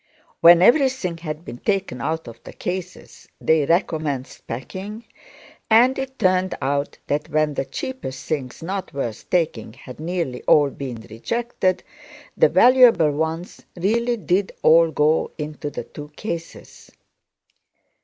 When everything had been taken out of the cases, they recommenced packing, and it turned out that when the cheaper things not worth taking had nearly all been rejected, the valuable ones really did all go into the two cases.